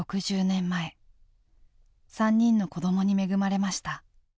３人の子どもに恵まれました。